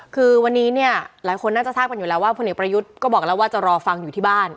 คือวันนี้เนี่ยหลายคนน่าจะทราบกันอยู่แล้วว่าพลเอกประยุทธ์ก็บอกแล้วว่าจะรอฟังอยู่ที่บ้าน